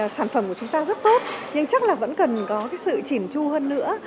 sản phẩm của chúng ta rất tốt nhưng chắc là vẫn cần có sự chỉn chu hơn nữa